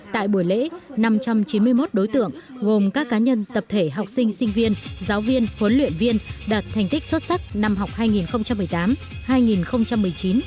tại buổi lễ năm trăm chín mươi một đối tượng gồm các cá nhân tập thể học sinh sinh viên giáo viên huấn luyện viên đạt thành tích xuất sắc năm học hai nghìn một mươi tám hai nghìn một mươi chín